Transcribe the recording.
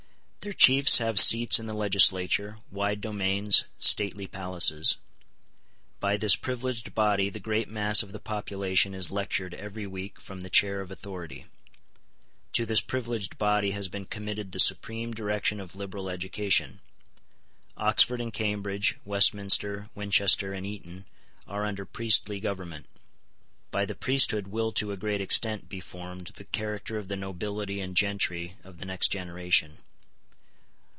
Their chiefs have seats in the legislature, wide domains, stately palaces. By this privileged body the great mass of the population is lectured every week from the chair of authority. To this privileged body has been committed the supreme direction of liberal education. Oxford and Cambridge, Westminster, Winchester, and Eton, are under priestly government. By the priesthood will to a great extent be formed the character of the nobility and gentry of the next generation.